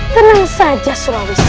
tenang saja surawisai